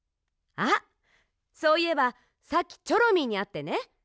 あっそういえばさっきチョロミーにあってね